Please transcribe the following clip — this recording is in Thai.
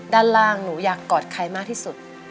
ด้านล่างหนูอยากกอดใครมากที่สุด